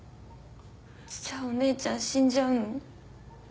じゃあお姉ちゃん死んじゃうの？